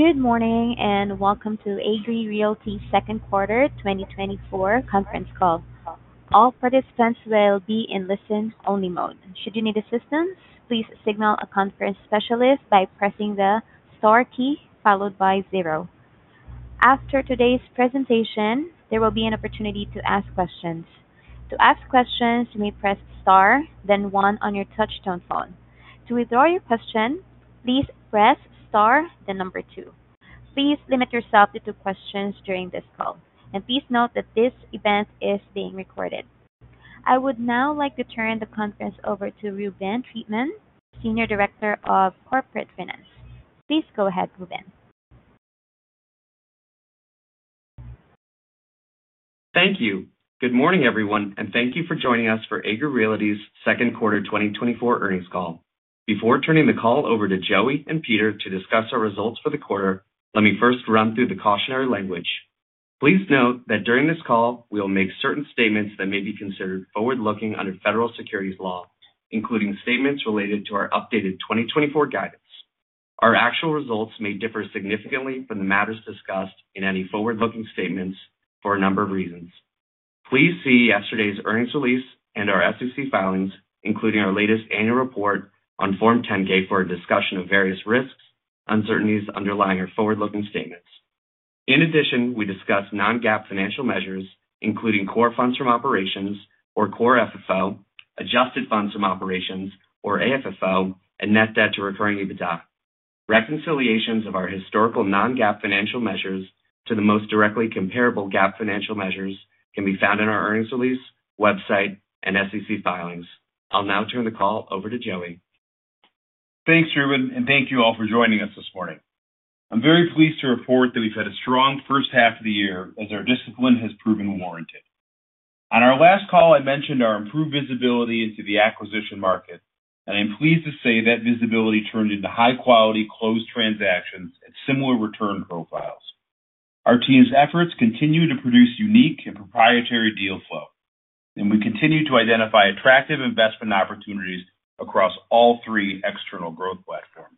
Good morning and welcome to Agree Realty's second quarter 2024 conference call. All participants will be in listen-only mode. Should you need assistance, please signal a conference specialist by pressing the star key followed by zero. After today's presentation, there will be an opportunity to ask questions. To ask questions, you may press star, then one on your touch-tone phone. To withdraw your question, please press star, then number two. Please limit yourself to two questions during this call. Please note that this event is being recorded. I would now like to turn the conference over to Reuben Treatman, Senior Director of Corporate Finance. Please go ahead, Reuben. Thank you. Good morning, everyone, and thank you for joining us for Agree Realty's second quarter 2024 earnings call. Before turning the call over to Joey and Peter to discuss our results for the quarter, let me first run through the cautionary language. Please note that during this call, we will make certain statements that may be considered forward-looking under federal securities law, including statements related to our updated 2024 guidance. Our actual results may differ significantly from the matters discussed in any forward-looking statements for a number of reasons. Please see yesterday's earnings release and our SEC filings, including our latest annual report on Form 10-K for a discussion of various risks and uncertainties underlying our forward-looking statements. In addition, we discussed non-GAAP financial measures, including core funds from operations, or core FFO; adjusted funds from operations, or AFFO; and Net Debt to Recurring EBITDA. Reconciliations of our historical non-GAAP financial measures to the most directly comparable GAAP financial measures can be found in our earnings release, website, and SEC filings. I'll now turn the call over to Joey. Thanks, Reuben, and thank you all for joining us this morning. I'm very pleased to report that we've had a strong first half of the year as our discipline has proven warranted. On our last call, I mentioned our improved visibility into the acquisition market, and I'm pleased to say that visibility turned into high-quality closed transactions and similar return profiles. Our team's efforts continue to produce unique and proprietary deal flow, and we continue to identify attractive investment opportunities across all three external growth platforms.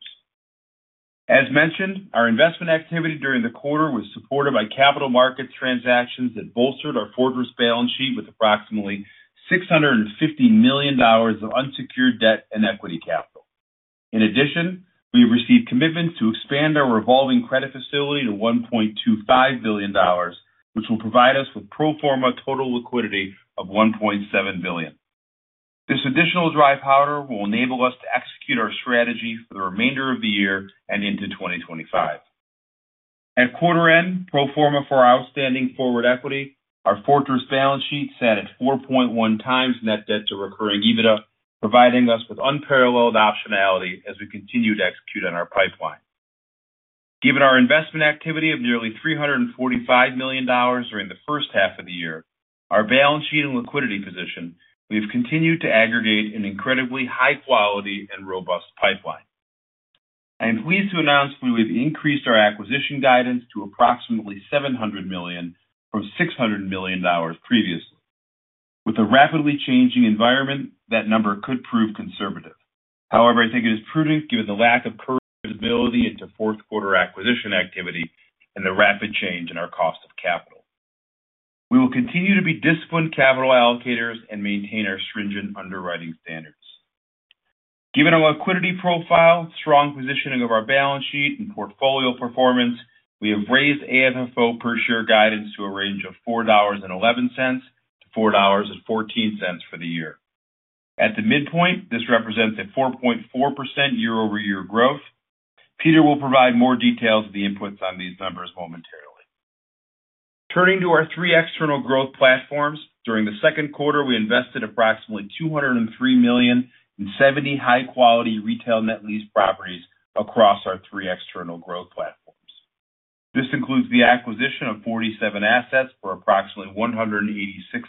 As mentioned, our investment activity during the quarter was supported by capital markets transactions that bolstered our fortress balance sheet with approximately $650 million of unsecured debt and equity capital. In addition, we have received commitments to expand our revolving credit facility to $1.25 billion, which will provide us with pro forma total liquidity of $1.7 billion. This additional dry powder will enable us to execute our strategy for the remainder of the year and into 2025. At quarter-end, pro forma for our outstanding forward equity, our fortress balance sheet sat at 4.1x net debt to recurring EBITDA, providing us with unparalleled optionality as we continue to execute on our pipeline. Given our investment activity of nearly $345 million during the first half of the year, our balance sheet and liquidity position, we have continued to aggregate an incredibly high-quality and robust pipeline. I am pleased to announce we have increased our acquisition guidance to approximately $700 million from $600 million previously. With a rapidly changing environment, that number could prove conservative. However, I think it is prudent given the lack of current visibility into fourth-quarter acquisition activity and the rapid change in our cost of capital. We will continue to be disciplined capital allocators and maintain our stringent underwriting standards. Given our liquidity profile, strong positioning of our balance sheet, and portfolio performance, we have raised AFFO per share guidance to a range of $4.11-$4.14 for the year. At the midpoint, this represents a 4.4% year-over-year growth. Peter will provide more details of the inputs on these numbers momentarily. Turning to our three external growth platforms, during the second quarter, we invested approximately $203 million in 70 high-quality retail net lease properties across our three external growth platforms. This includes the acquisition of 47 assets for approximately $186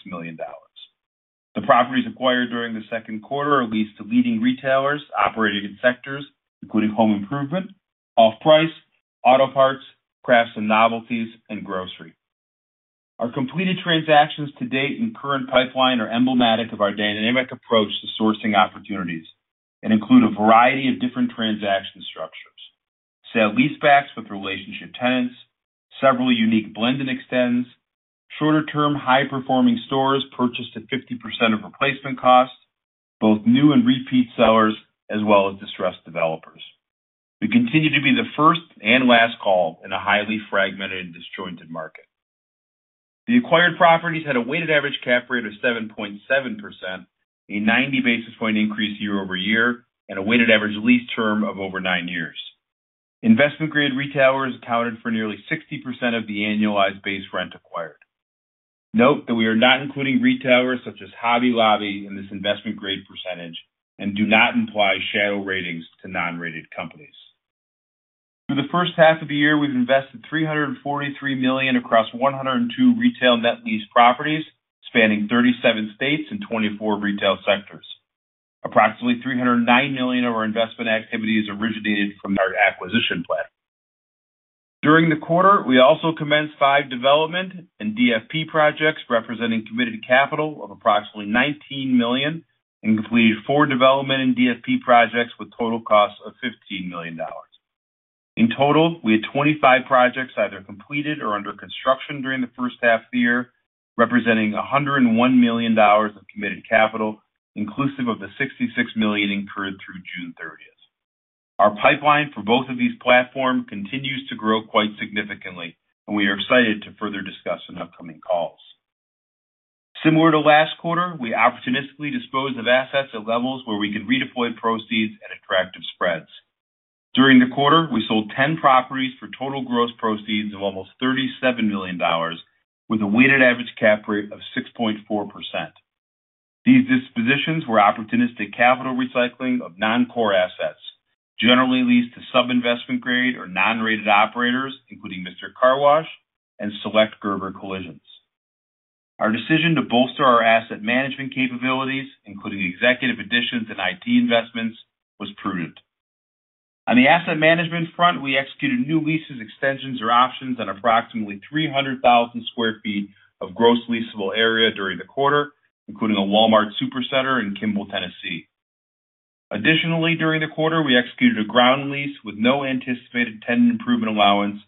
million. The properties acquired during the second quarter are leased to leading retailers operating in sectors including home improvement, off-price, auto parts, crafts and novelties, and grocery. Our completed transactions to date in current pipeline are emblematic of our dynamic approach to sourcing opportunities and include a variety of different transaction structures: sale-leasebacks with relationship tenants, several unique blend and extends, shorter-term high-performing stores purchased at 50% of replacement cost, both new and repeat sellers, as well as distressed developers. We continue to be the first and last call in a highly fragmented and disjointed market. The acquired properties had a weighted average cap rate of 7.7%, a 90 basis point increase year-over-year, and a weighted average lease term of over nine years. Investment-grade retailers accounted for nearly 60% of the annualized base rent acquired. Note that we are not including retailers such as Hobby Lobby in this investment-grade percentage and do not imply shadow ratings to non-rated companies. Through the first half of the year, we've invested $343 million across 102 retail net lease properties spanning 37 states and 24 retail sectors. Approximately $309 million of our investment activity has originated from our acquisition plan. During the quarter, we also commenced 5 development and DFP projects representing committed capital of approximately $19 million and completed 4 development and DFP projects with total costs of $15 million. In total, we had 25 projects either completed or under construction during the first half of the year, representing $101 million of committed capital, inclusive of the $66 million incurred through June 30. Our pipeline for both of these platforms continues to grow quite significantly, and we are excited to further discuss in upcoming calls. Similar to last quarter, we opportunistically disposed of assets at levels where we could redeploy proceeds at attractive spreads. During the quarter, we sold 10 properties for total gross proceeds of almost $37 million, with a weighted average cap rate of 6.4%. These dispositions were opportunistic capital recycling of non-core assets, generally leased to sub-investment-grade or non-rated operators, including Mister Car Wash and Gerber Collision. Our decision to bolster our asset management capabilities, including executive additions and IT investments, was prudent. On the asset management front, we executed new leases, extensions, or options on approximately 300,000 sq ft of gross leasable area during the quarter, including a Walmart Supercenter in Kimball, Tennessee. Additionally, during the quarter, we executed a ground lease with no anticipated tenant improvement allowance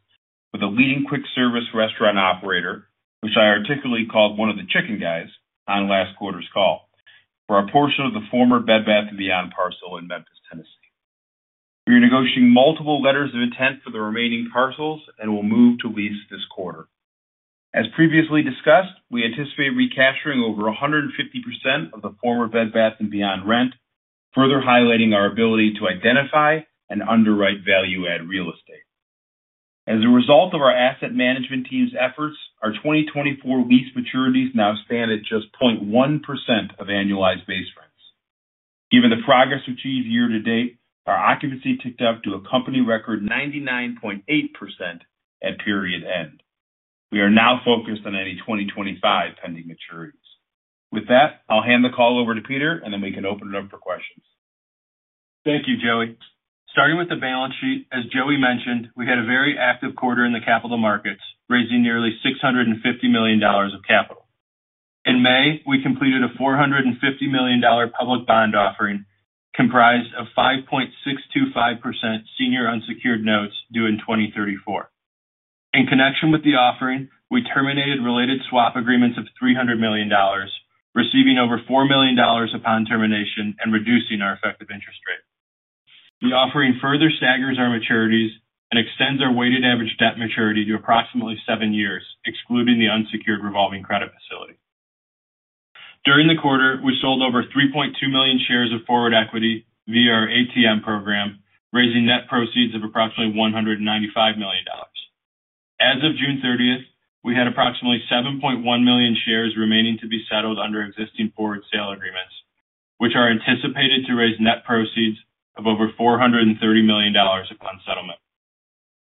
with a leading quick-service restaurant operator, which I articulately called one of the chicken guys on last quarter's call, for a portion of the former Bed Bath & Beyond parcel in Memphis, Tennessee. We are negotiating multiple letters of intent for the remaining parcels and will move to lease this quarter. As previously discussed, we anticipate recapturing over 150% of the former Bed Bath & Beyond rent, further highlighting our ability to identify and underwrite value-add real estate. As a result of our asset management team's efforts, our 2024 lease maturities now stand at just 0.1% of annualized base rents. Given the progress achieved year to date, our occupancy ticked up to a company record 99.8% at period end. We are now focused on any 2025 pending maturities. With that, I'll hand the call over to Peter, and then we can open it up for questions. Thank you, Joey. Starting with the balance sheet, as Joey mentioned, we had a very active quarter in the capital markets, raising nearly $650 million of capital. In May, we completed a $450 million public bond offering comprised of 5.625% senior unsecured notes due in 2034. In connection with the offering, we terminated related swap agreements of $300 million, receiving over $4 million upon termination and reducing our effective interest rate. The offering further staggers our maturities and extends our weighted average debt maturity to approximately seven years, excluding the unsecured revolving credit facility. During the quarter, we sold over 3.2 million shares of forward equity via our ATM program, raising net proceeds of approximately $195 million. As of June 30, we had approximately 7.1 million shares remaining to be settled under existing forward sale agreements, which are anticipated to raise net proceeds of over $430 million upon settlement.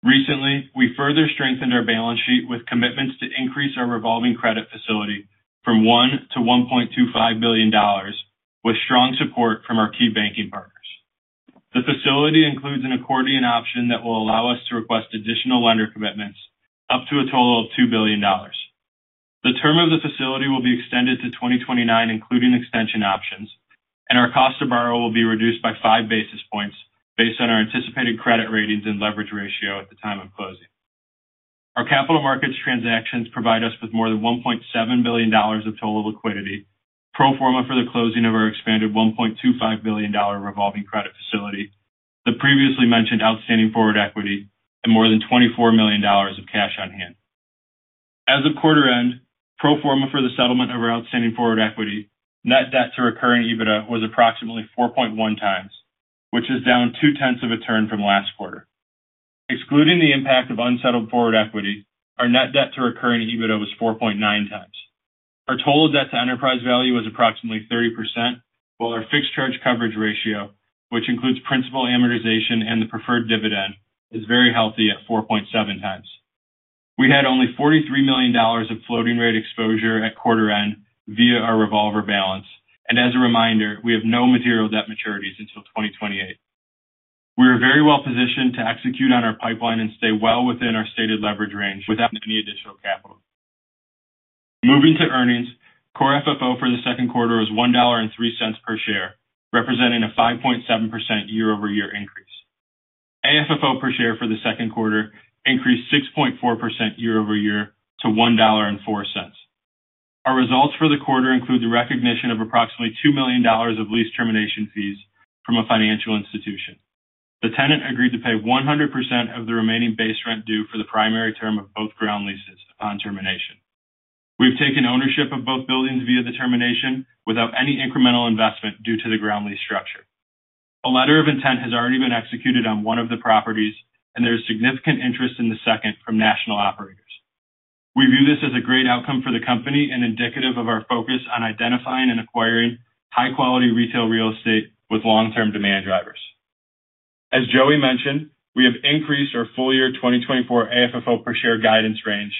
Recently, we further strengthened our balance sheet with commitments to increase our revolving credit facility from $1 billion-$1.25 billion, with strong support from our key banking partners. The facility includes an accordion option that will allow us to request additional lender commitments up to a total of $2 billion. The term of the facility will be extended to 2029, including extension options, and our cost of borrow will be reduced by five basis points based on our anticipated credit ratings and leverage ratio at the time of closing. Our capital markets transactions provide us with more than $1.7 billion of total liquidity, pro forma for the closing of our expanded $1.25 billion revolving credit facility, the previously mentioned outstanding forward equity, and more than $24 million of cash on hand. As of quarter end, pro forma for the settlement of our outstanding forward equity, net debt to recurring EBITDA was approximately 4.1 times, which is down 0.2 of a turn from last quarter. Excluding the impact of unsettled forward equity, our net debt to recurring EBITDA was 4.9x. Our total debt to enterprise value was approximately 30%, while our fixed charge coverage ratio, which includes principal amortization and the preferred dividend, is very healthy at 4.7x. We had only $43 million of floating rate exposure at quarter-end via our revolver balance, and as a reminder, we have no material debt maturities until 2028. We are very well positioned to execute on our pipeline and stay well within our stated leverage range without any additional capital. Moving to earnings, core FFO for the second quarter was $1.03 per share, representing a 5.7% year-over-year increase. AFFO per share for the second quarter increased 6.4% year-over-year to $1.04. Our results for the quarter include the recognition of approximately $2 million of lease termination fees from a financial institution. The tenant agreed to pay 100% of the remaining base rent due for the primary term of both ground leases upon termination. We've taken ownership of both buildings via the termination without any incremental investment due to the ground lease structure. A letter of intent has already been executed on one of the properties, and there is significant interest in the second from national operators. We view this as a great outcome for the company and indicative of our focus on identifying and acquiring high-quality retail real estate with long-term demand drivers. As Joey mentioned, we have increased our full-year 2024 AFFO per share guidance range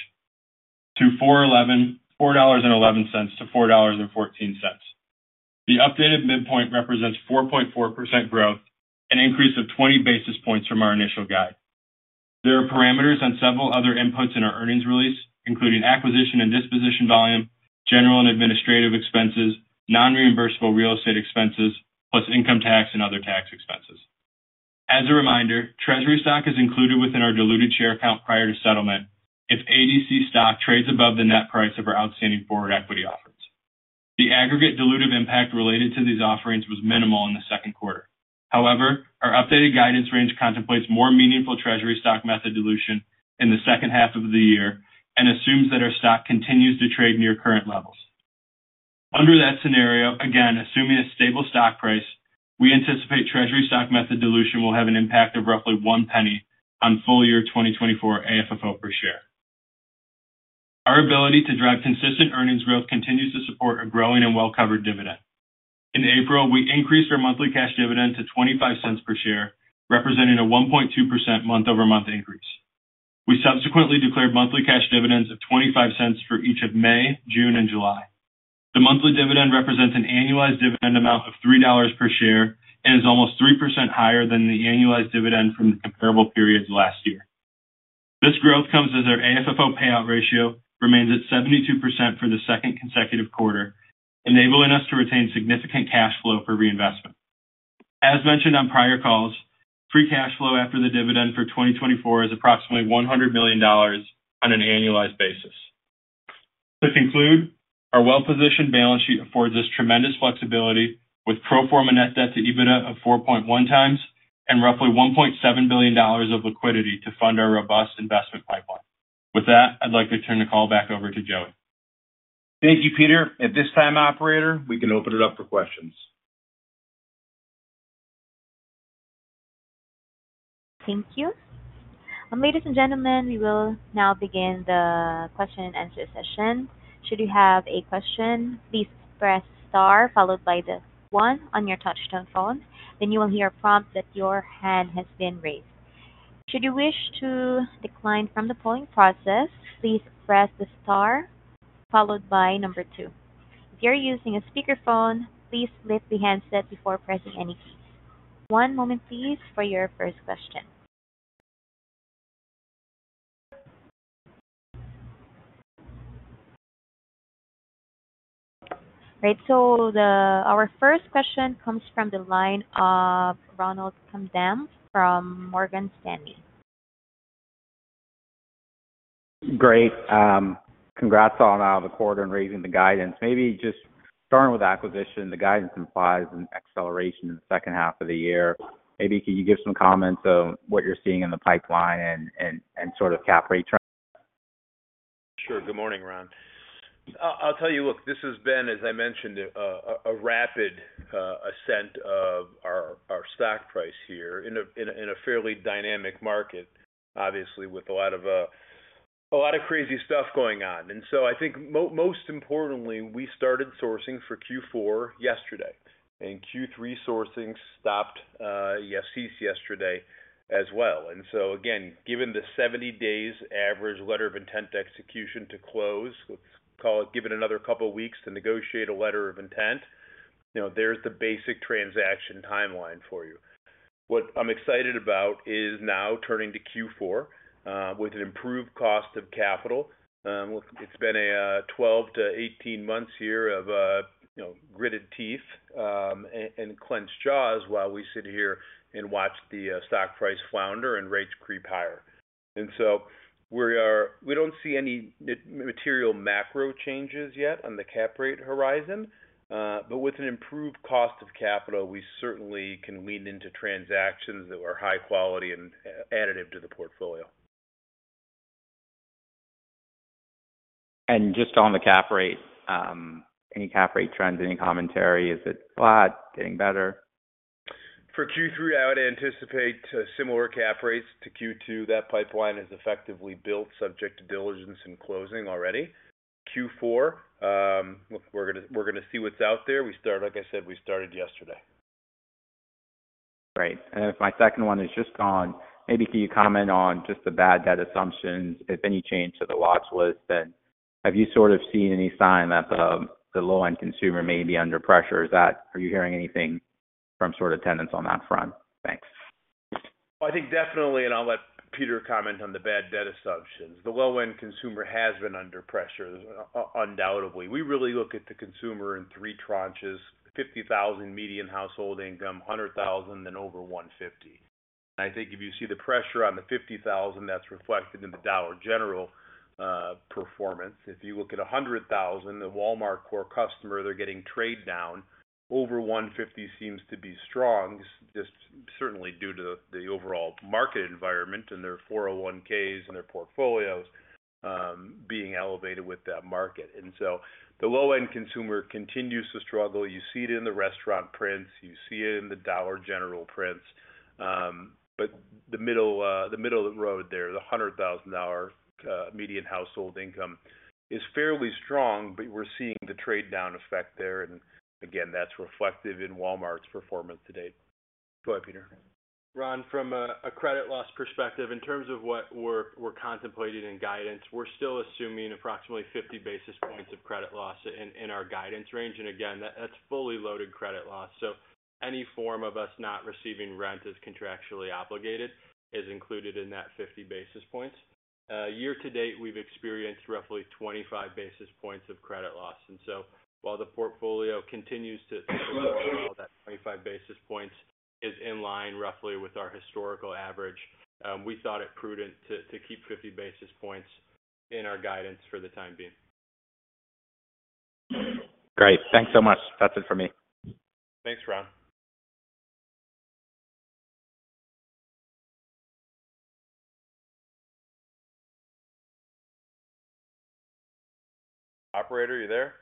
to $4.11-$4.14. The updated midpoint represents 4.4% growth, an increase of 20 basis points from our initial guide. There are parameters on several other inputs in our earnings release, including acquisition and disposition volume, general and administrative expenses, non-reimbursable real estate expenses, plus income tax and other tax expenses. As a reminder, treasury stock is included within our diluted share account prior to settlement if ADC stock trades above the net price of our outstanding forward equity offerings. The aggregate dilutive impact related to these offerings was minimal in the second quarter. However, our updated guidance range contemplates more meaningful treasury stock method dilution in the second half of the year and assumes that our stock continues to trade near current levels. Under that scenario, again, assuming a stable stock price, we anticipate treasury stock method dilution will have an impact of roughly $0.01 on full-year 2024 AFFO per share. Our ability to drive consistent earnings growth continues to support a growing and well-covered dividend. In April, we increased our monthly cash dividend to $0.25 per share, representing a 1.2% month-over-month increase. We subsequently declared monthly cash dividends of $0.25 for each of May, June, and July. The monthly dividend represents an annualized dividend amount of $3 per share and is almost 3% higher than the annualized dividend from the comparable periods last year. This growth comes as our AFFO payout ratio remains at 72% for the second consecutive quarter, enabling us to retain significant cash flow for reinvestment. As mentioned on prior calls, free cash flow after the dividend for 2024 is approximately $100 million on an annualized basis. To conclude, our well-positioned balance sheet affords us tremendous flexibility with pro forma net debt to EBITDA of 4.1x and roughly $1.7 billion of liquidity to fund our robust investment pipeline. With that, I'd like to turn the call back over to Joey. Thank you, Peter. At this time, operator, we can open it up for questions. Thank you. Ladies and gentlemen, we will now begin the question and answer session. Should you have a question, please press star followed by the one on your touch-tone phone. Then you will hear a prompt that your hand has been raised. Should you wish to decline from the polling process, please press the star followed by number two. If you're using a speakerphone, please lift the handset before pressing any keys. One moment, please, for your first question. All right, so our first question comes from the line of Ronald Kamdem from Morgan Stanley. Great. Congrats on the quarter and raising the guidance. Maybe just starting with acquisition, the guidance implies an acceleration in the second half of the year. Maybe can you give some comments on what you're seeing in the pipeline and sort of cap rate turn? Sure. Good morning, Ron. I'll tell you, look, this has been, as I mentioned, a rapid ascent of our stock price here in a fairly dynamic market, obviously, with a lot of crazy stuff going on. So I think most importantly, we started sourcing for Q4 yesterday, and Q3 sourcing stopped yesterday as well. So again, given the 70-day average letter of intent execution to close, let's call it given another couple of weeks to negotiate a letter of intent, there's the basic transaction timeline for you. What I'm excited about is now turning to Q4 with an improved cost of capital. It's been a 12-18 months here of gritted teeth and clenched jaws while we sit here and watch the stock price flounder and rates creep higher. We don't see any material macro changes yet on the cap rate horizon, but with an improved cost of capital, we certainly can lean into transactions that are high quality and additive to the portfolio. Just on the cap rate, any cap rate trends, any commentary? Is it flat, getting better? For Q3, I would anticipate similar cap rates to Q2. That pipeline is effectively built, subject to diligence and closing already. Q4, we're going to see what's out there. Like I said, we started yesterday. Right. And then my second one is just gone. Maybe can you comment on just the bad debt assumptions? If any change to the watch list, then have you sort of seen any sign that the low-end consumer may be under pressure? Are you hearing anything from sort of tenants on that front? Thanks. I think definitely, and I'll let Peter comment on the bad debt assumptions. The low-end consumer has been under pressure, undoubtedly. We really look at the consumer in three tranches: 50,000 median household income, 100,000, and over 150. And I think if you see the pressure on the 50,000, that's reflected in the Dollar General performance. If you look at 100,000, the Walmart core customer, they're getting trade down. Over 150 seems to be strong, just certainly due to the overall market environment and their 401(k)s and their portfolios being elevated with that market. And so the low-end consumer continues to struggle. You see it in the restaurant prints. You see it in the Dollar General prints. But the middle of the road there, the $100,000 median household income is fairly strong, but we're seeing the trade down effect there. And again, that's reflective in Walmart's performance to date. Go ahead, Peter. Ron, from a credit loss perspective, in terms of what we're contemplating in guidance, we're still assuming approximately 50 basis points of credit loss in our guidance range. And again, that's fully loaded credit loss. So any form of us not receiving rent as contractually obligated is included in that 50 basis points. Year to date, we've experienced roughly 25 basis points of credit loss. And so while the portfolio continues to support all that 25 basis points is in line roughly with our historical average, we thought it prudent to keep 50 basis points in our guidance for the time being. Great. Thanks so much. That's it for me. Thanks, Ron. Operator, are you there?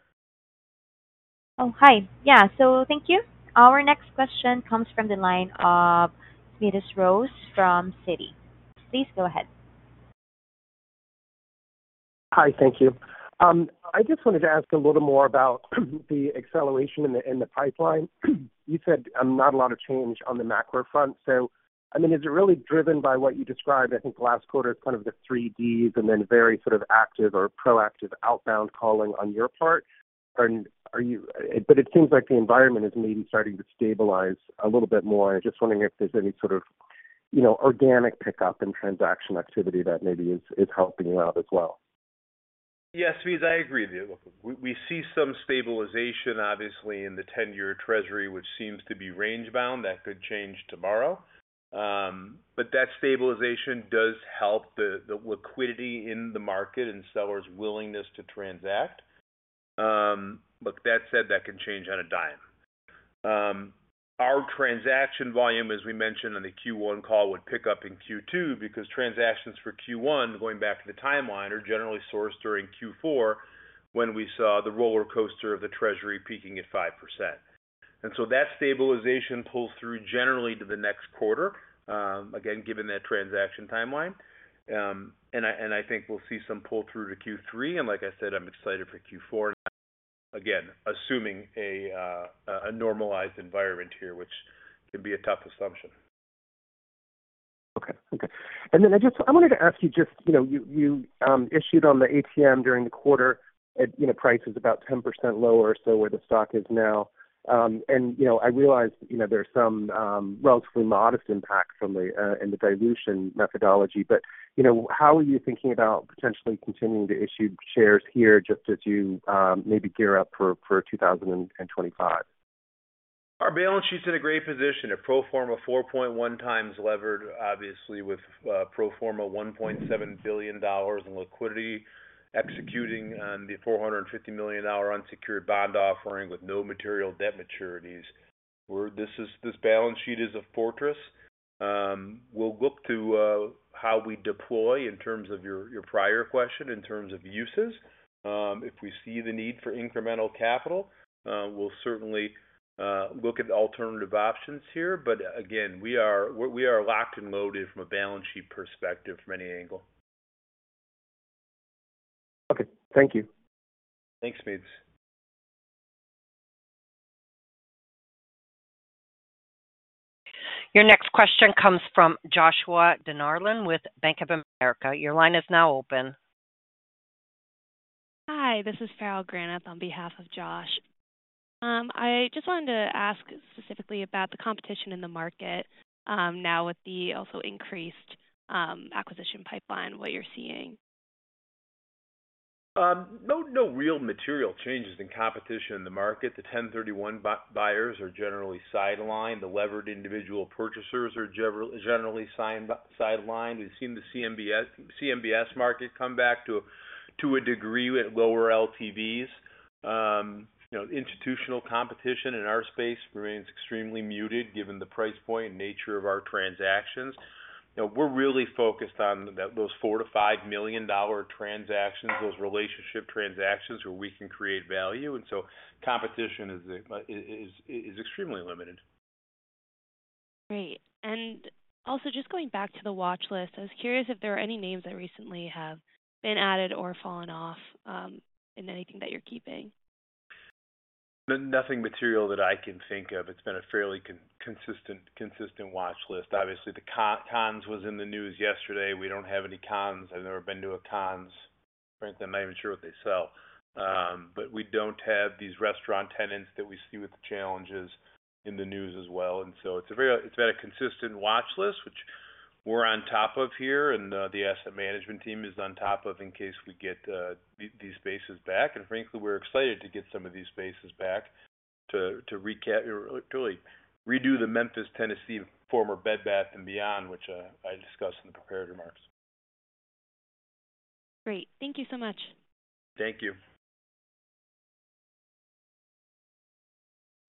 Oh, hi. Yeah. So thank you. Our next question comes from the line of Smedes Rose from Citi. Please go ahead. Hi, thank you. I just wanted to ask a little more about the acceleration in the pipeline. You said not a lot of change on the macro front. So I mean, is it really driven by what you described? I think last quarter is kind of the 3Ds and then very sort of active or proactive outbound calling on your part. But it seems like the environment is maybe starting to stabilize a little bit more. I'm just wondering if there's any sort of organic pickup in transaction activity that maybe is helping you out as well. Yes, Smedes, I agree with you. We see some stabilization, obviously, in the 10-year treasury, which seems to be range-bound. That could change tomorrow. But that stabilization does help the liquidity in the market and sellers' willingness to transact. But that said, that can change on a dime. Our transaction volume, as we mentioned on the Q1 call, would pick up in Q2 because transactions for Q1, going back to the timeline, are generally sourced during Q4 when we saw the roller coaster of the treasury peaking at 5%. And so that stabilization pulls through generally to the next quarter, again, given that transaction timeline. And I think we'll see some pull-through to Q3. And like I said, I'm excited for Q4. And again, assuming a normalized environment here, which can be a tough assumption. Okay. Okay. And then I wanted to ask you just you issued on the ATM during the quarter, price was about 10% lower or so where the stock is now. And I realize there's some relatively modest impact in the dilution methodology, but how are you thinking about potentially continuing to issue shares here just as you maybe gear up for 2025? Our balance sheet's in a great position. A pro forma 4.1x levered, obviously, with a pro forma $1.7 billion in liquidity executing on the $450 million unsecured bond offering with no material debt maturities. This balance sheet is a fortress. We'll look to how we deploy in terms of your prior question, in terms of uses. If we see the need for incremental capital, we'll certainly look at alternative options here. But again, we are locked and loaded from a balance sheet perspective from any angle. Okay. Thank you. Thanks, Smedes. Your next question comes from Joshua Dennerlein with Bank of America. Your line is now open. Hi, this is Farrell Granath on behalf of Josh. I just wanted to ask specifically about the competition in the market now with the also increased acquisition pipeline, what you're seeing? No real material changes in competition in the market. The 1031 buyers are generally sidelined. The levered individual purchasers are generally sidelined. We've seen the CMBS market come back to a degree with lower LTVs. Institutional competition in our space remains extremely muted given the price point and nature of our transactions. We're really focused on those $4 million-$5 million transactions, those relationship transactions where we can create value. And so competition is extremely limited. Great. Also, just going back to the watch list, I was curious if there are any names that recently have been added or fallen off in anything that you're keeping? Nothing material that I can think of. It's been a fairly consistent watch list. Obviously, the Conn's was in the news yesterday. We don't have any Conn's. I've never been to a Conn's. I'm not even sure what they sell. But we don't have these restaurant tenants that we see with the challenges in the news as well. And so it's been a consistent watch list, which we're on top of here, and the asset management team is on top of in case we get these spaces back. And frankly, we're excited to get some of these spaces back to really redo the Memphis, Tennessee former Bed Bath & Beyond, which I discussed in the prepared remarks. Great. Thank you so much. Thank you.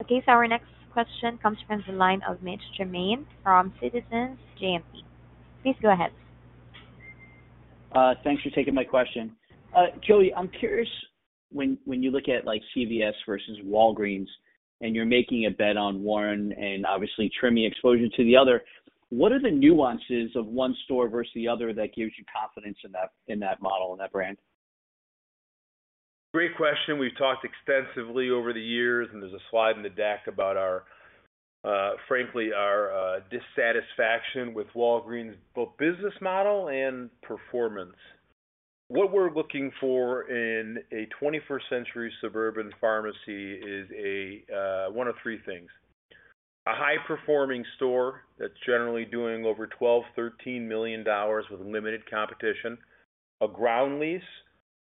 Okay. So our next question comes from the line of Mitch Germain from Citizens JMP. Please go ahead. Thanks for taking my question. Joey, I'm curious, when you look at CVS versus Walgreens and you're making a bet on one and obviously trimming exposure to the other, what are the nuances of one store versus the other that gives you confidence in that model and that brand? Great question. We've talked extensively over the years, and there's a slide in the deck about, frankly, our dissatisfaction with Walgreens' both business model and performance. What we're looking for in a 21st-century suburban pharmacy is one of three things: a high-performing store that's generally doing over $12 million-$13 million with limited competition, a ground lease,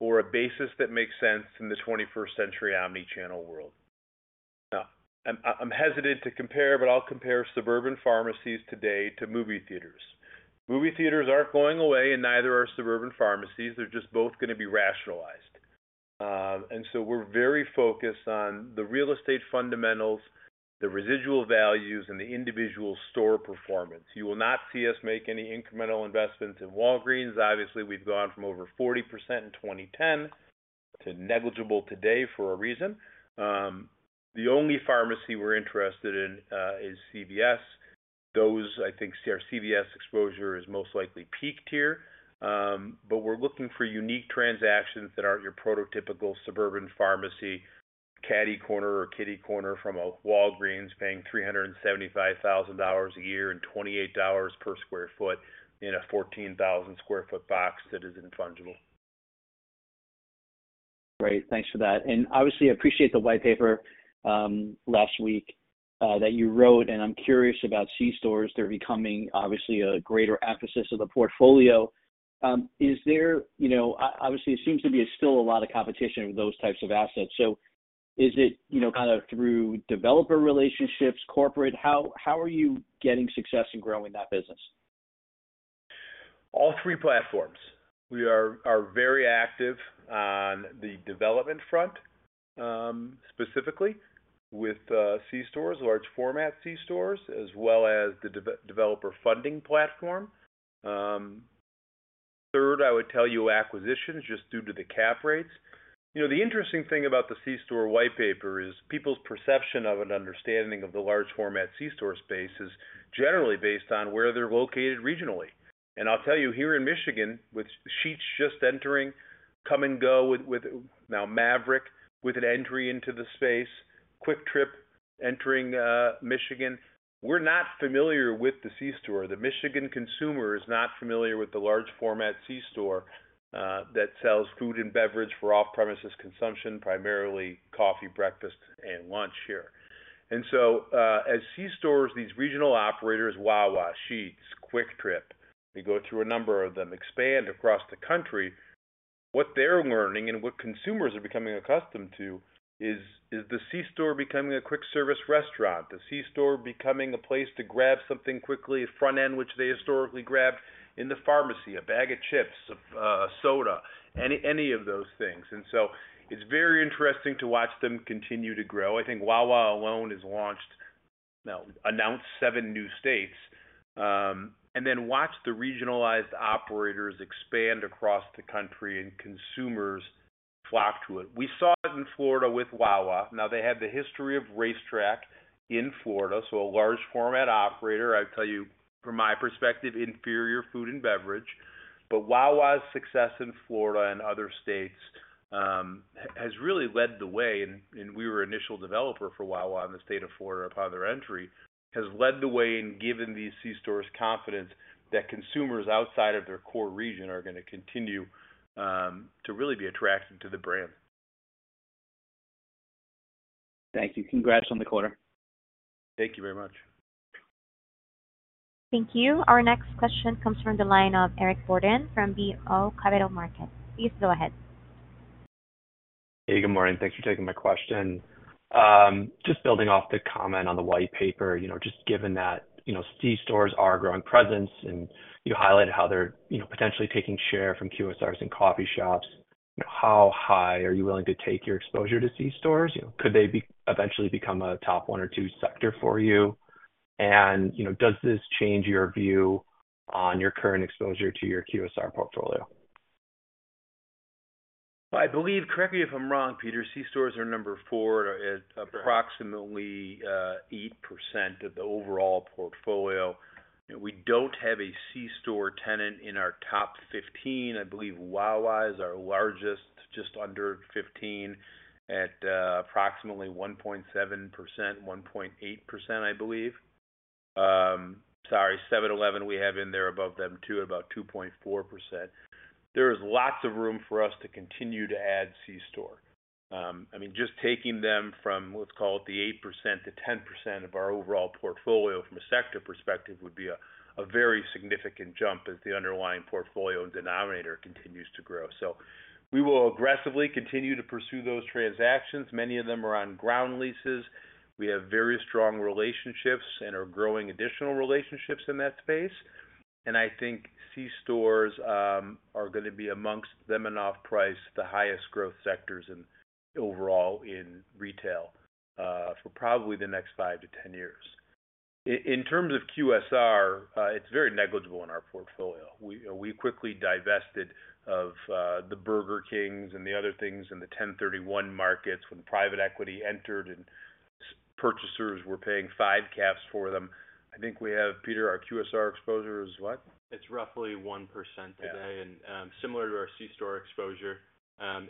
or a basis that makes sense in the 21st-century omnichannel world. Now, I'm hesitant to compare, but I'll compare suburban pharmacies today to movie theaters. Movie theaters aren't going away, and neither are suburban pharmacies. They're just both going to be rationalized. And so we're very focused on the real estate fundamentals, the residual values, and the individual store performance. You will not see us make any incremental investments in Walgreens. Obviously, we've gone from over 40% in 2010 to negligible today for a reason. The only pharmacy we're interested in is CVS. I think our CVS exposure is most likely peaked here. But we're looking for unique transactions that aren't your prototypical suburban pharmacy, catty-corner or kitty-corner from a Walgreens paying $375,000 a year and $28 per sq ft in a 14,000 sq ft box that is infungible. Great. Thanks for that. And obviously, I appreciate the white paper last week that you wrote. And I'm curious about C-stores. They're becoming, obviously, a greater emphasis of the portfolio. Is there, obviously, it seems to be still a lot of competition with those types of assets. So is it kind of through developer relationships, corporate? How are you getting success in growing that business? All three platforms. We are very active on the development front specifically with C-stores, large-format C-stores, as well as the developer funding platform. Third, I would tell you acquisitions just due to the cap rates. The interesting thing about the C-store white paper is people's perception of an understanding of the large-format C-store space is generally based on where they're located regionally. And I'll tell you here in Michigan, with Sheetz just entering, Kum & Go with now Maverik with an entry into the space, Kwik Trip entering Michigan. We're not familiar with the C-store. The Michigan consumer is not familiar with the large-format C-store that sells food and beverage for off-premises consumption, primarily coffee, breakfast, and lunch here. And so as C-stores, these regional operators, Wawa, Sheetz, Kwik Trip (we go through a number of them) expand across the country, what they're learning and what consumers are becoming accustomed to is the C-store becoming a quick-service restaurant, the C-store becoming a place to grab something quickly, a front end, which they historically grabbed in the pharmacy, a bag of chips, a soda, any of those things. And so it's very interesting to watch them continue to grow. I think Wawa alone has announced seven new states. And then watch the regionalized operators expand across the country and consumers flock to it. We saw it in Florida with Wawa. Now, they have the history of RaceTrac in Florida. So a large-format operator, I would tell you, from my perspective, inferior food and beverage. But Wawa's success in Florida and other states has really led the way. We were an initial developer for Wawa in the state of Florida upon their entry, has led the way and given these C-stores confidence that consumers outside of their core region are going to continue to really be attracted to the brand. Thank you. Congrats on the quarter. Thank you very much. Thank you. Our next question comes from the line of Eric Borden from BMO Capital Markets. Please go ahead. Hey, good morning. Thanks for taking my question. Just building off the comment on the white paper, just given that C-stores are a growing presence and you highlighted how they're potentially taking share from QSRs and coffee shops, how high are you willing to take your exposure to C-stores? Could they eventually become a top one or two sector for you? And does this change your view on your current exposure to your QSR portfolio? I believe, correct me if I'm wrong Peter, C-stores are number four at approximately 8% of the overall portfolio. We don't have a C store tenant in our top 15. I believe Wawa is our largest, just under 15 at approximately 1.7%, 1.8%, I believe. Sorry, 7-Eleven, we have in there above them too at about 2.4%. There is lots of room for us to continue to add C store. I mean, just taking them from, let's call it the 8% to 10% of our overall portfolio from a sector perspective would be a very significant jump as the underlying portfolio and denominator continues to grow. So we will aggressively continue to pursue those transactions. Many of them are on ground leases. We have very strong relationships and are growing additional relationships in that space. I think C-stores are going to be amongst them and off-price the highest growth sectors overall in retail for probably the next 5-10 years. In terms of QSR, it's very negligible in our portfolio. We quickly divested of the Burger Kings and the other things in the 1031 markets when private equity entered and purchasers were paying 5 caps for them. I think we have, Peter, our QSR exposure is what? It's roughly 1% today. And similar to our C store exposure,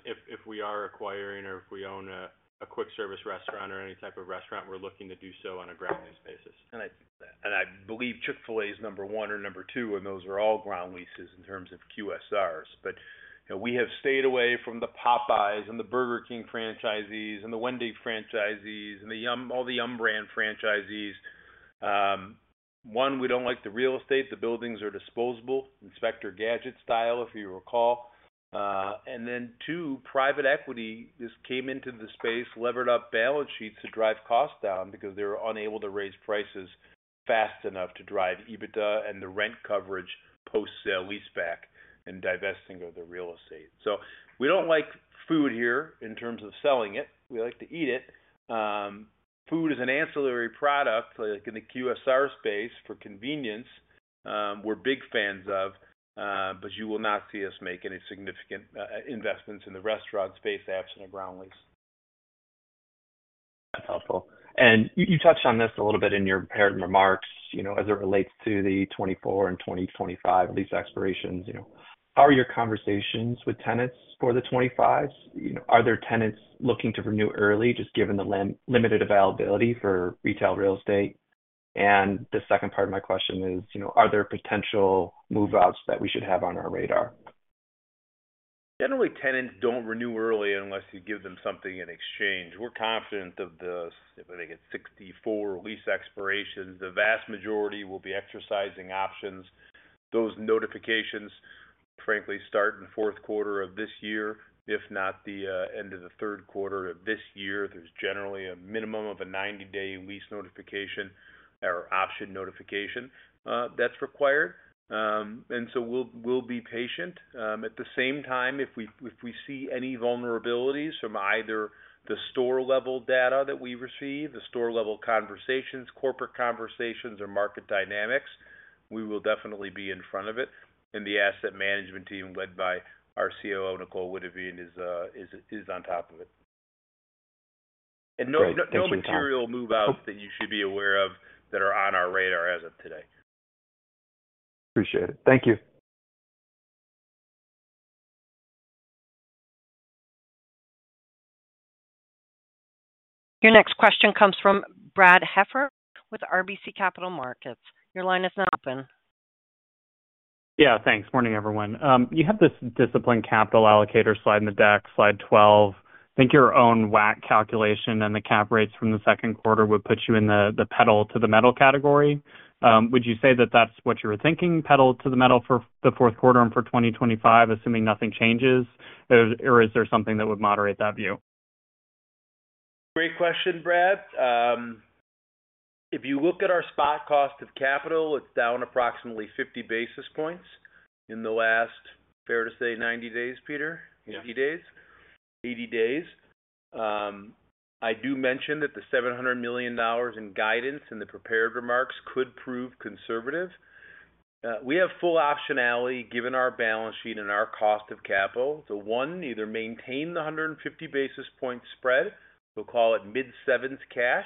if we are acquiring or if we own a quick-service restaurant or any type of restaurant, we're looking to do so on a ground lease basis. And I believe Chick-fil-A is number one or number two, and those are all ground leases in terms of QSRs. But we have stayed away from the Popeyes and the Burger King franchisees and the Wendy's franchisees and all the Yum! Brands franchisees. One, we don't like the real estate. The buildings are disposable, Inspector Gadget style, if you recall. And then two, private equity just came into the space, levered up balance sheets to drive costs down because they were unable to raise prices fast enough to drive EBITDA and the rent coverage post-sale-leaseback and divesting of the real estate. So we don't like food here in terms of selling it. We like to eat it. Food is an ancillary product in the QSR space for convenience. We're big fans of, but you will not see us make any significant investments in the restaurant space, absent a ground lease. That's helpful. You touched on this a little bit in your prepared remarks as it relates to the 2024 and 2025 lease expirations. How are your conversations with tenants for the 2025s? Are there tenants looking to renew early just given the limited availability for retail real estate? The second part of my question is, are there potential move-outs that we should have on our radar? Generally, tenants don't renew early unless you give them something in exchange. We're confident of the, if I think it's 64 lease expirations, the vast majority will be exercising options. Those notifications, frankly, start in fourth quarter of this year. If not the end of the third quarter of this year, there's generally a minimum of a 90-day lease notification or option notification that's required. And so we'll be patient. At the same time, if we see any vulnerabilities from either the store-level data that we receive, the store-level conversations, corporate conversations, or market dynamics, we will definitely be in front of it. And the asset management team led by our COO, Nicole Witteveen, is on top of it. And no material move-outs that you should be aware of that are on our radar as of today. Appreciate it. Thank you. Your next question comes from Brad Heffern with RBC Capital Markets. Your line is now open. Yeah. Thanks. Morning, everyone. You have this disciplined capital allocator slide in the deck, slide 12. I think your own WACC calculation and the cap rates from the second quarter would put you in the pedal-to-the-metal category. Would you say that that's what you were thinking, pedal-to-the-metal for the fourth quarter and for 2025, assuming nothing changes? Or is there something that would moderate that view? Great question, Brad. If you look at our spot cost of capital, it's down approximately 50 basis points in the last, fair to say, 90 days, Peter, 80 days. I do mention that the $700 million in guidance in the prepared remarks could prove conservative. We have full optionality given our balance sheet and our cost of capital. So one, either maintain the 150 basis point spread, we'll call it mid-sevens cash,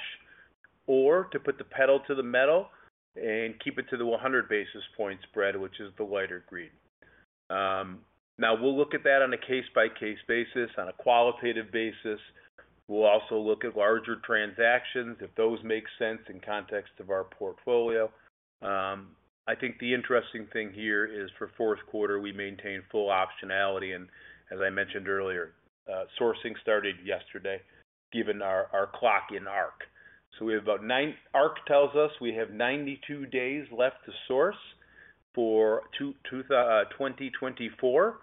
or to put the pedal-to-the-metal and keep it to the 100 basis point spread, which is the lighter green. Now, we'll look at that on a case-by-case basis, on a qualitative basis. We'll also look at larger transactions if those make sense in context of our portfolio. I think the interesting thing here is for fourth quarter, we maintain full optionality. And as I mentioned earlier, sourcing started yesterday given our clock in ARC. So we have about ARC tells us we have 92 days left to source for 2024.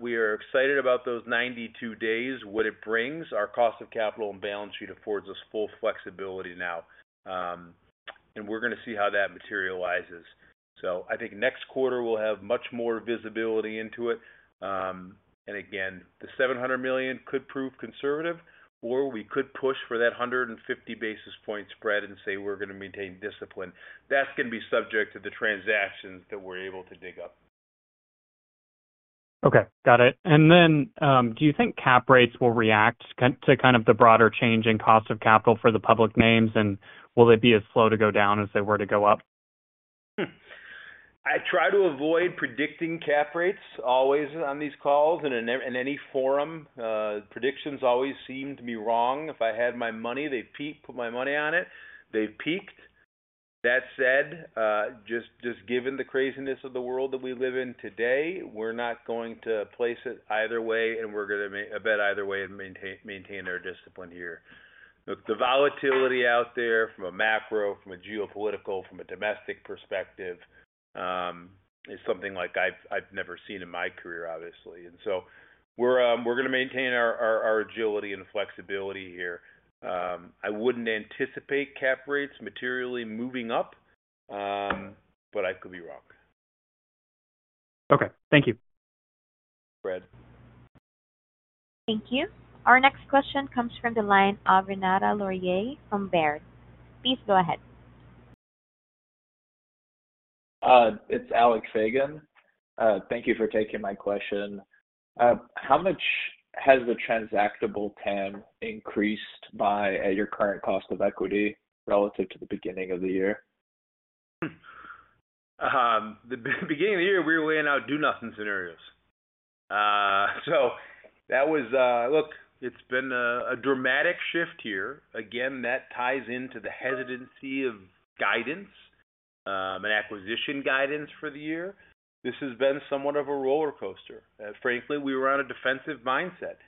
We are excited about those 92 days, what it brings. Our cost of capital and balance sheet affords us full flexibility now. And we're going to see how that materializes. So I think next quarter, we'll have much more visibility into it. And again, the $700 million could prove conservative, or we could push for that 150 basis point spread and say we're going to maintain discipline. That's going to be subject to the transactions that we're able to dig up. Okay. Got it. And then do you think cap rates will react to kind of the broader change in cost of capital for the public names, and will they be as slow to go down as they were to go up? I try to avoid predicting cap rates always on these calls and in any forum. Predictions always seem to be wrong. If I had my money, they'd peak, put my money on it. They've peaked. That said, just given the craziness of the world that we live in today, we're not going to place it either way, and we're going to bet either way and maintain our discipline here. Look, the volatility out there from a macro, from a geopolitical, from a domestic perspective is something like I've never seen in my career, obviously. And so we're going to maintain our agility and flexibility here. I wouldn't anticipate cap rates materially moving up, but I could be wrong. Okay. Thank you. Thanks, Brad. Thank you. Our next question comes from the line of Wes Golladay from Baird. Please go ahead. It's Alec Faygin. Thank you for taking my question. How much has the transactable TAM increased by your current cost of equity relative to the beginning of the year? The beginning of the year, we were laying out do-nothing scenarios. So that was, look, it's been a dramatic shift here. Again, that ties into the hesitancy of guidance and acquisition guidance for the year. This has been somewhat of a roller coaster. Frankly, we were on a defensive mindset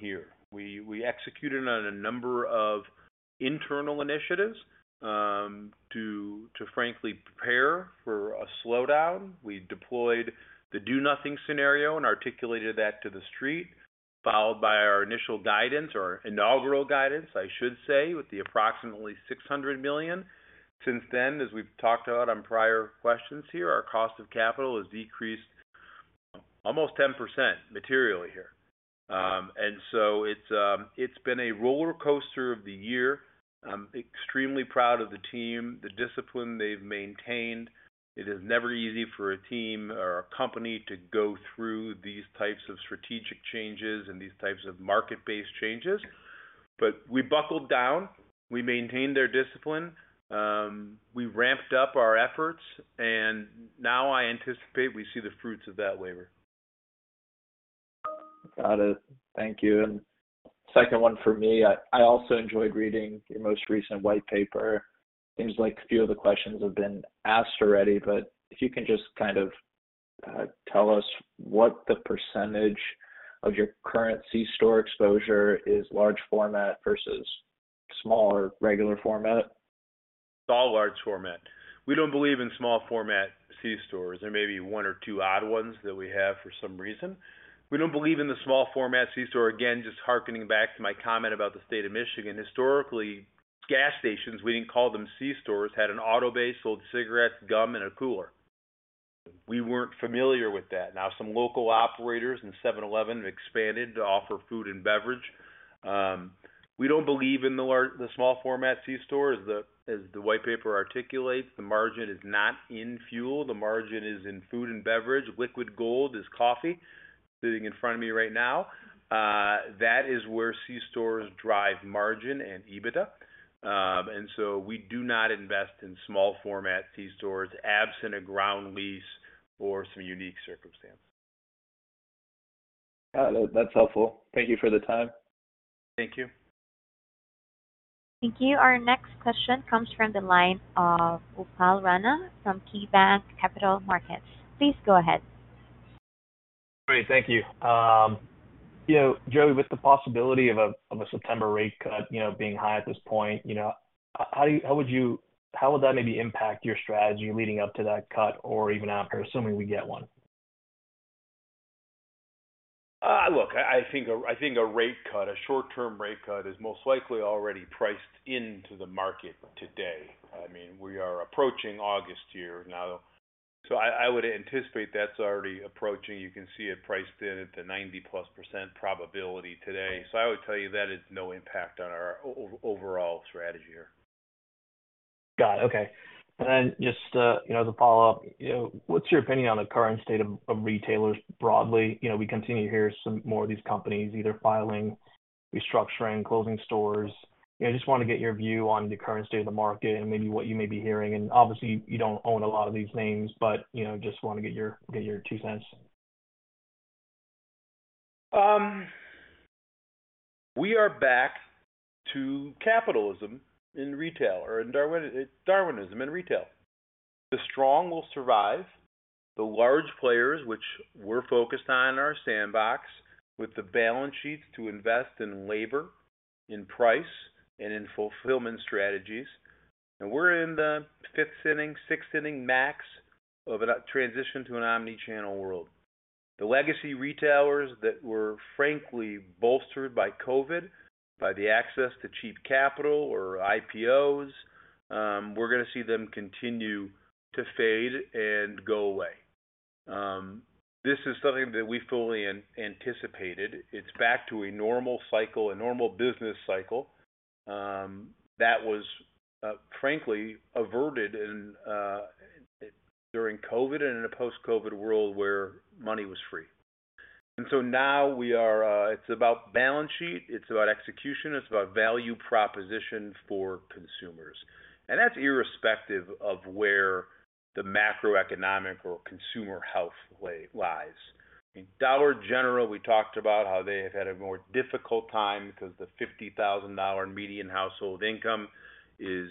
here. We executed on a number of internal initiatives to, frankly, prepare for a slowdown. We deployed the do-nothing scenario and articulated that to the street, followed by our initial guidance or inaugural guidance, I should say, with the approximately $600 million. Since then, as we've talked about on prior questions here, our cost of capital has decreased almost 10% materially here. And so it's been a roller coaster of the year. I'm extremely proud of the team, the discipline they've maintained. It is never easy for a team or a company to go through these types of strategic changes and these types of market-based changes. But we buckled down. We maintained their discipline. We ramped up our efforts. And now I anticipate we see the fruits of that labor. Got it. Thank you. And second one for me, I also enjoyed reading your most recent white paper. Seems like a few of the questions have been asked already, but if you can just kind of tell us what the percentage of your current C-store exposure is, large format versus small or regular format. It's all large format. We don't believe in small format C-stores. There may be one or two odd ones that we have for some reason. We don't believe in the small format C-store. Again, just hearkening back to my comment about the state of Michigan, historically, gas stations, we didn't call them C-stores, had an auto bay, sold cigarettes, gum, and a cooler. We weren't familiar with that. Now, some local operators and 7-Eleven have expanded to offer food and beverage. We don't believe in the small format C-store. As the white paper articulates, the margin is not in fuel. The margin is in food and beverage. Liquid gold is coffee sitting in front of me right now. That is where C-stores drive margin and EBITDA. And so we do not invest in small format C-stores absent a ground lease or some unique circumstance. Got it. That's helpful. Thank you for the time. Thank you. Thank you. Our next question comes from the line of Upal Rana from KeyBanc Capital Markets. Please go ahead. Great. Thank you. Joey, with the possibility of a September rate cut being high at this point, how would that maybe impact your strategy leading up to that cut or even after, assuming we get one? Look, I think a rate cut, a short-term rate cut, is most likely already priced into the market today. I mean, we are approaching August here now. So I would anticipate that's already approaching. You can see it priced in at the 90+ probability today. So I would tell you that is no impact on our overall strategy here. Got it. Okay. And then just as a follow-up, what's your opinion on the current state of retailers broadly? We continue to hear some more of these companies either filing, restructuring, closing stores. Just want to get your view on the current state of the market and maybe what you may be hearing. And obviously, you don't own a lot of these names, but just want to get your two cents. We are back to capitalism in retail or Darwinism in retail. The strong will survive. The large players, which we're focused on in our sandbox, with the balance sheets to invest in labor, in price, and in fulfillment strategies. And we're in the fifth inning, sixth inning max of a transition to an omnichannel world. The legacy retailers that were frankly bolstered by COVID, by the access to cheap capital or IPOs, we're going to see them continue to fade and go away. This is something that we fully anticipated. It's back to a normal cycle, a normal business cycle that was, frankly, averted during COVID and in a post-COVID world where money was free. And so now we are. It's about balance sheet. It's about execution. It's about value proposition for consumers. And that's irrespective of where the macroeconomic or consumer health lies. Dollar General, we talked about how they have had a more difficult time because the $50,000 median household income is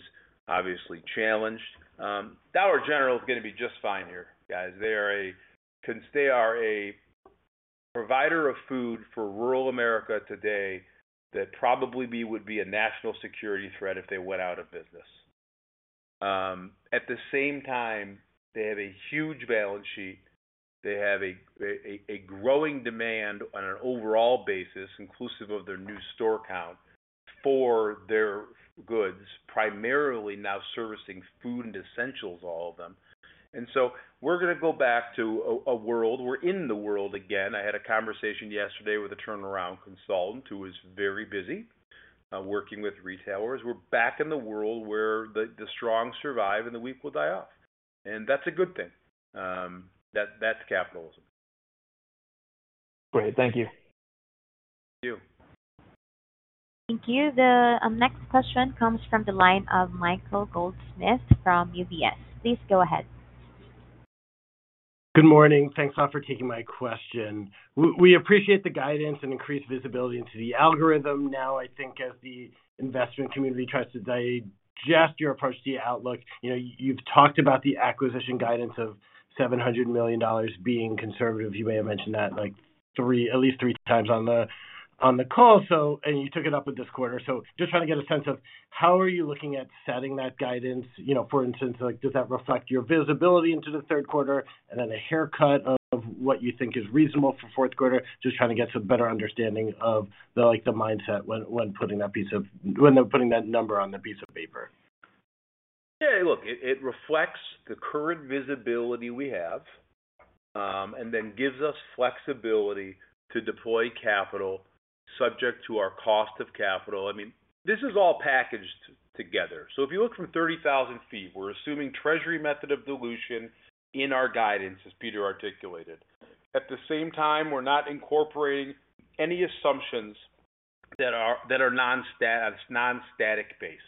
obviously challenged. Dollar General is going to be just fine here, guys. They can stay our provider of food for rural America today that probably would be a national security threat if they went out of business. At the same time, they have a huge balance sheet. They have a growing demand on an overall basis, inclusive of their new store count for their goods, primarily now servicing food and essentials, all of them. And so we're going to go back to a world. We're in the world again. I had a conversation yesterday with a turnaround consultant who is very busy working with retailers. We're back in the world where the strong survive and the weak will die off. And that's a good thing. That's capitalism. Great. Thank you. Thank you. Thank you. The next question comes from the line of Michael Goldsmith from UBS. Please go ahead. Good morning. Thanks a lot for taking my question. We appreciate the guidance and increased visibility into the algorithm now. I think as the investment community tries to digest your approach to the outlook, you've talked about the acquisition guidance of $700 million being conservative. You may have mentioned that at least three times on the call. And you took it up with this quarter. So just trying to get a sense of how are you looking at setting that guidance? For instance, does that reflect your visibility into the third quarter? And then a haircut of what you think is reasonable for fourth quarter, just trying to get some better understanding of the mindset when they're putting that number on the piece of paper. Yeah. Look, it reflects the current visibility we have and then gives us flexibility to deploy capital subject to our cost of capital. I mean, this is all packaged together. So if you look from 30,000 feet, we're assuming Treasury method of dilution in our guidance, as Peter articulated. At the same time, we're not incorporating any assumptions that are non-static based.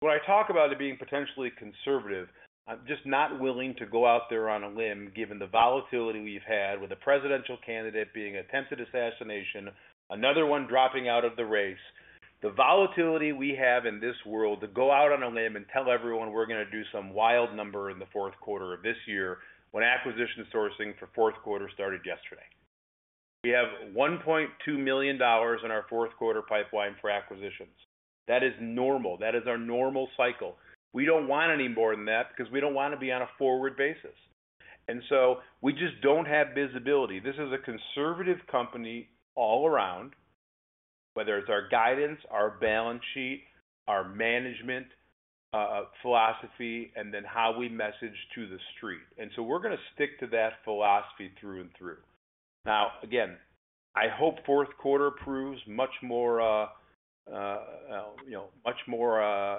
So when I talk about it being potentially conservative, I'm just not willing to go out there on a limb given the volatility we've had with a presidential candidate being attempted assassination, another one dropping out of the race. The volatility we have in this world to go out on a limb and tell everyone we're going to do some wild number in the fourth quarter of this year when acquisition sourcing for fourth quarter started yesterday. We have $1.2 million in our fourth quarter pipeline for acquisitions. That is normal. That is our normal cycle. We don't want any more than that because we don't want to be on a forward basis. And so we just don't have visibility. This is a conservative company all around, whether it's our guidance, our balance sheet, our management philosophy, and then how we message to the street. And so we're going to stick to that philosophy through and through. Now, again, I hope fourth quarter proves much more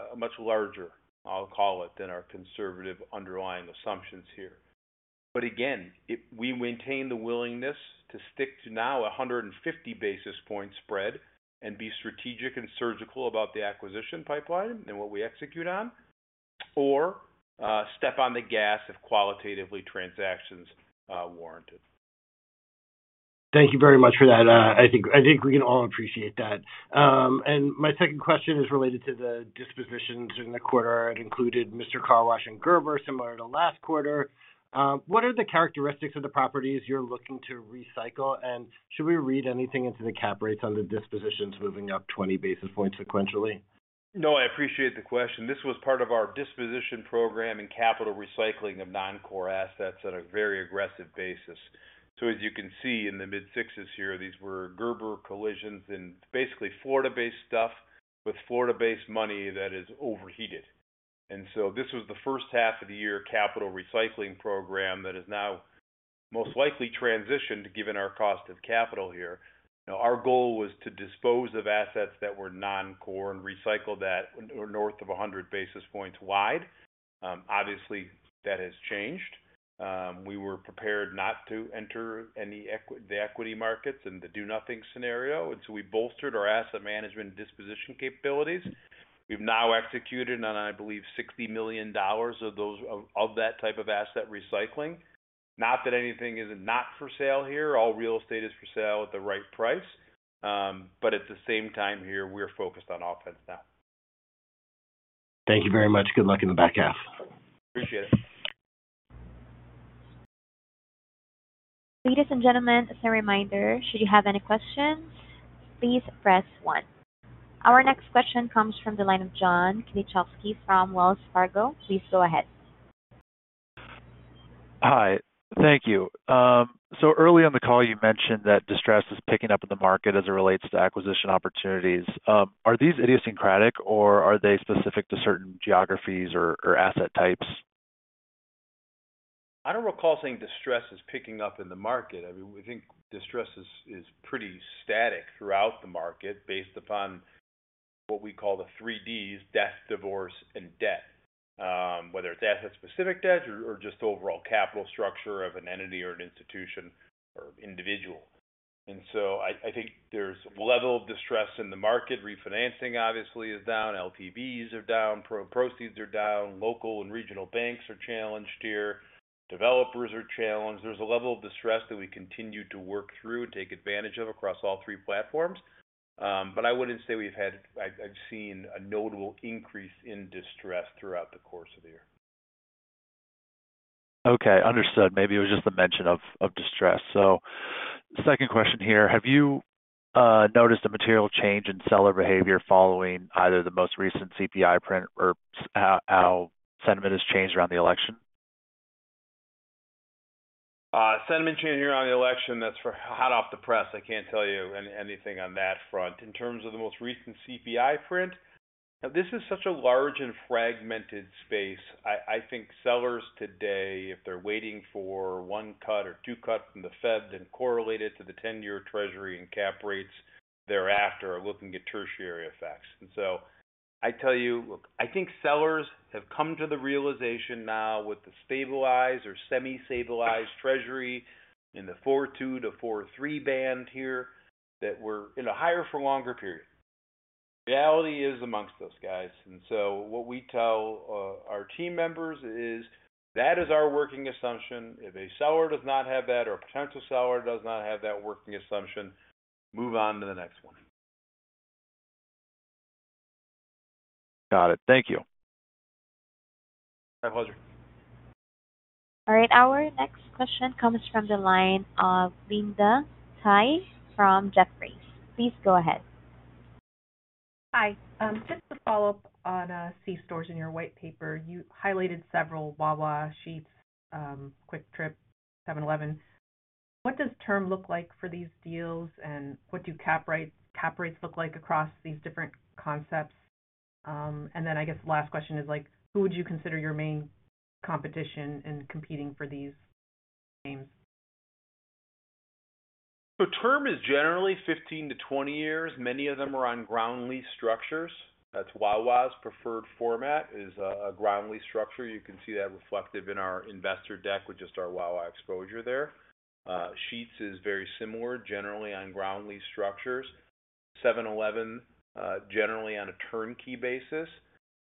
much larger, I'll call it, than our conservative underlying assumptions here. But again, we maintain the willingness to stick to now 150 basis point spread and be strategic and surgical about the acquisition pipeline and what we execute on, or step on the gas if qualitatively transactions warrant it. Thank you very much for that. I think we can all appreciate that. My second question is related to the dispositions in the quarter. It included Mister Car Wash and Gerber Collision, similar to last quarter. What are the characteristics of the properties you're looking to recycle? Should we read anything into the cap rates on the dispositions moving up 20 basis points sequentially? No, I appreciate the question. This was part of our disposition program and capital recycling of non-core assets on a very aggressive basis. So as you can see in the mid-sixes here, these were Gerber Collision and basically Florida-based stuff with Florida-based money that is overheated. And so this was the first half of the year capital recycling program that is now most likely transitioned given our cost of capital here. Our goal was to dispose of assets that were non-core and recycle that north of 100 basis points wide. Obviously, that has changed. We were prepared not to enter the equity markets and the do-nothing scenario. And so we bolstered our asset management and disposition capabilities. We've now executed on, I believe, $60 million of that type of asset recycling. Not that anything isn't not for sale here. All real estate is for sale at the right price. But at the same time here, we're focused on offense now. Thank you very much. Good luck in the back half. Appreciate it. Ladies and gentlemen, as a reminder, should you have any questions, please press one. Our next question comes from the line of John Kilichowski from Wells Fargo. Please go ahead. Hi. Thank you. Early on the call, you mentioned that distress is picking up in the market as it relates to acquisition opportunities. Are these idiosyncratic or are they specific to certain geographies or asset types? I don't recall seeing distress picking up in the market. I mean, we think distress is pretty static throughout the market based upon what we call the three Ds, death, divorce, and debt, whether it's asset-specific debt or just overall capital structure of an entity or an institution or individual. So I think there's a level of distress in the market. Refinancing, obviously, is down. LTVs are down. Proceeds are down. Local and regional banks are challenged here. Developers are challenged. There's a level of distress that we continue to work through and take advantage of across all three platforms. But I wouldn't say we've had a notable increase in distress throughout the course of the year. Okay. Understood. Maybe it was just the mention of distress. Second question here. Have you noticed a material change in seller behavior following either the most recent CPI print or how sentiment has changed around the election? Sentiment changing around the election, that's hot off the press. I can't tell you anything on that front. In terms of the most recent CPI print, this is such a large and fragmented space. I think sellers today, if they're waiting for one cut or two cuts from the Fed and correlate it to the 10-year Treasury and cap rates thereafter, are looking at tertiary effects. And so I tell you, look, I think sellers have come to the realization now with the stabilized or semi-stabilized Treasury in the 4.2-4.3 band here that we're in a higher for a longer period. Reality is among those guys. And so what we tell our team members is that is our working assumption. If a seller does not have that or a potential seller does not have that working assumption, move on to the next one. Got it. Thank you. My pleasure. All right. Our next question comes from the line of Linda Tsai from Jefferies. Please go ahead. Hi. Just to follow up on C-stores in your white paper, you highlighted several Wawa, Sheetz, Kwik Trip, 7-Eleven. What does term look like for these deals, and what do cap rates look like across these different concepts? And then I guess the last question is, who would you consider your main competition in competing for these names? So term is generally 15-20 years. Many of them are on ground lease structures. That's Wawa's preferred format is a ground lease structure. You can see that reflected in our investor deck with just our Wawa exposure there. Sheetz is very similar, generally on ground lease structures. 7-Eleven generally on a turnkey basis.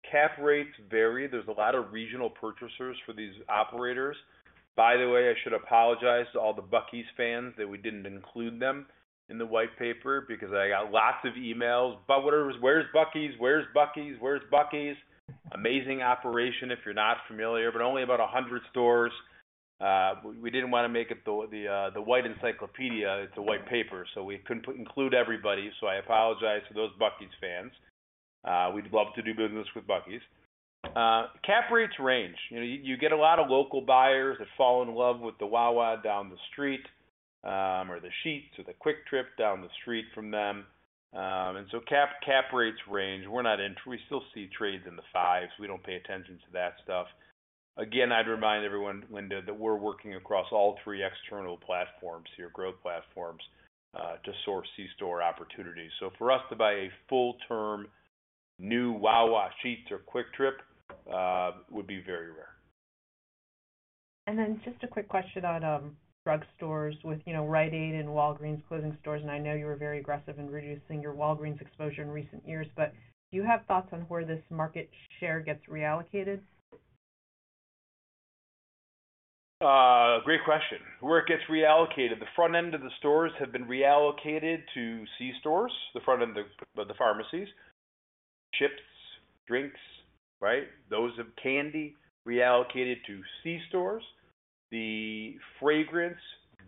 Cap rates vary. There's a lot of regional purchasers for these operators. By the way, I should apologize to all the Buc-ee's fans that we didn't include them in the white paper because I got lots of emails. But where's Buc-ee's? Where's Buc-ee's? Where's Buc-ee's? Amazing operation if you're not familiar, but only about 100 stores. We didn't want to make it the white encyclopedia. It's a white paper, so we couldn't include everybody. So I apologize to those Buc-ee's fans. We'd love to do business with Buc-ee's. Cap rates range. You get a lot of local buyers that fall in love with the Wawa down the street or the Sheetz or the Kwik Trip down the street from them. And so cap rates range. We're not into; we still see trades in the fives. We don't pay attention to that stuff. Again, I'd remind everyone, Linda, that we're working across all three external platforms here, growth platforms to source C-store opportunities. So for us to buy a full-term new Wawa, Sheetz, or Kwik Trip would be very rare. Just a quick question on drug stores with Rite Aid and Walgreens closing stores. I know you were very aggressive in reducing your Walgreens exposure in recent years, but do you have thoughts on where this market share gets reallocated? Great question. Where it gets reallocated. The front end of the stores have been reallocated to C-stores, the front end of the pharmacies. Chips, drinks, right? Those of candy reallocated to C-stores. The fragrance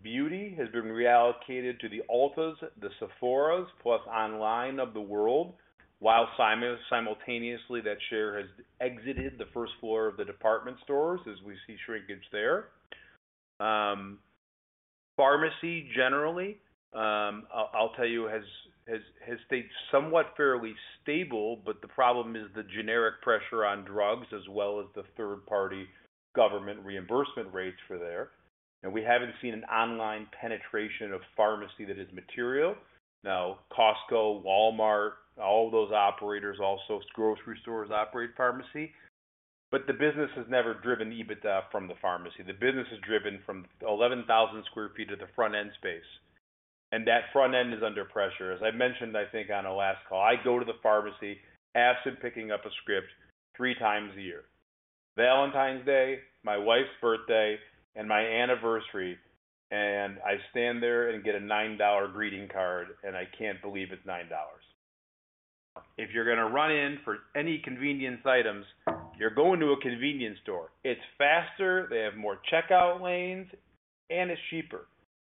beauty has been reallocated to the Ulta, the Sephoras, plus online of the world, while simultaneously that share has exited the first floor of the department stores as we see shrinkage there. Pharmacy generally, I'll tell you, has stayed somewhat fairly stable, but the problem is the generic pressure on drugs as well as the third-party government reimbursement rates for there. And we haven't seen an online penetration of pharmacy that is material. Now, Costco, Walmart, all those operators also grocery stores operate pharmacy. But the business has never driven EBITDA from the pharmacy. The business is driven from 11,000 sq ft of the front-end space. And that front-end is under pressure. As I mentioned, I think on our last call, I go to the pharmacy, absent picking up a script three times a year: Valentine's Day, my wife's birthday, and my anniversary. And I stand there and get a $9 greeting card, and I can't believe it's $9. If you're going to run in for any convenience items, you're going to a convenience store. It's faster. They have more checkout lanes, and it's cheaper.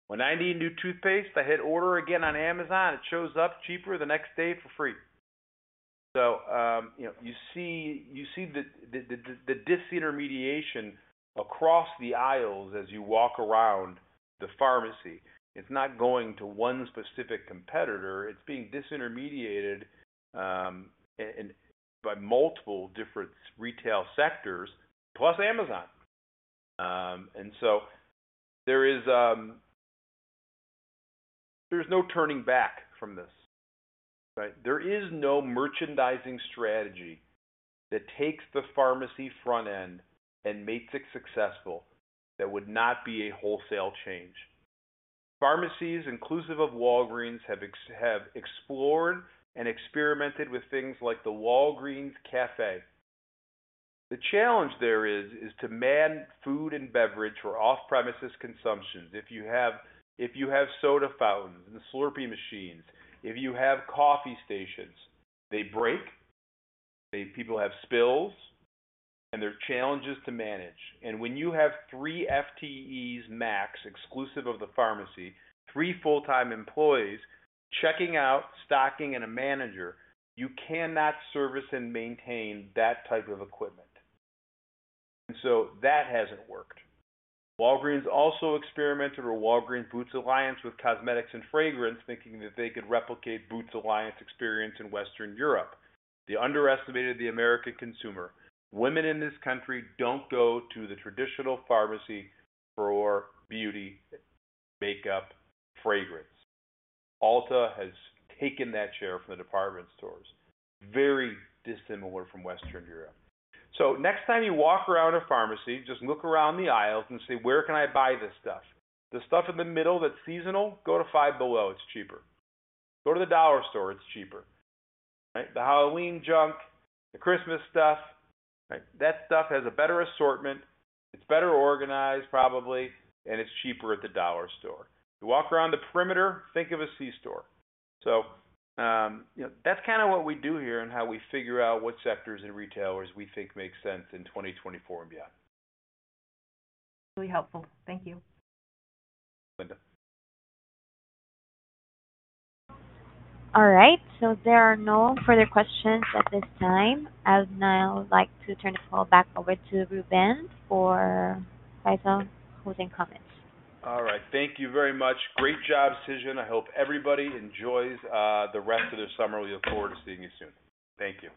When I need new toothpaste, I hit order again on Amazon. It shows up cheaper the next day for free. So you see the disintermediation across the aisles as you walk around the pharmacy. It's not going to one specific competitor. It's being disintermediated by multiple different retail sectors, plus Amazon. And so there's no turning back from this, right? There is no merchandising strategy that takes the pharmacy front-end and makes it successful that would not be a wholesale change. Pharmacies, inclusive of Walgreens, have explored and experimented with things like the Walgreens Cafe. The challenge there is to man food and beverage for off-premises consumptions. If you have soda fountains and Slurpee machines, if you have coffee stations, they break. People have spills, and there are challenges to manage. And when you have three FTEs max exclusive of the pharmacy, three full-time employees checking out, stocking, and a manager, you cannot service and maintain that type of equipment. And so that hasn't worked. Walgreens also experimented with Walgreens Boots Alliance with cosmetics and fragrance, thinking that they could replicate Boots Alliance experience in Western Europe. They underestimated the American consumer. Women in this country don't go to the traditional pharmacy for beauty, makeup, fragrance. Ulta has taken that share from the department stores. Very dissimilar from Western Europe. So next time you walk around a pharmacy, just look around the aisles and say, "Where can I buy this stuff?" The stuff in the middle that's seasonal, go to Five Below. It's cheaper. Go to the dollar store. It's cheaper. The Halloween junk, the Christmas stuff, that stuff has a better assortment. It's better organized, probably, and it's cheaper at the dollar store. You walk around the perimeter, think of a C-store. So that's kind of what we do here and how we figure out what sectors and retailers we think make sense in 2024 and beyond. Really helpful. Thank you. Linda. All right. So there are no further questions at this time. I would now like to turn the call back over to Reuben for final closing comments. All right. Thank you very much. Great job, Susan. I hope everybody enjoys the rest of their summer. We look forward to seeing you soon. Thank you.